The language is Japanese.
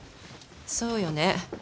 そうよね